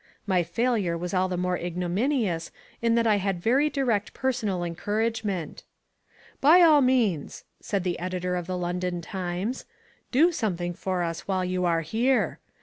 My failure was all the more ignominious in that I had very direct personal encouragement. "By all means," said the editor of the London Times, "do some thing for us while you are here.